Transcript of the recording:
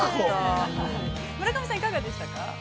◆村上さん、いかがでしたか。